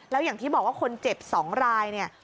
แล้วอย่างที่บอกว่าคนเจ็บ๒รายเนี่ย